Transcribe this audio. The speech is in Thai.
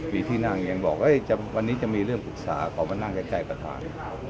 มีที่นั่งยังบอกวันนี้จะมีเรื่องปรึกษาขอมานั่งใกล้ประธาน